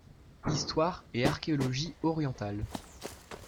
Histoire et archéologie orientales.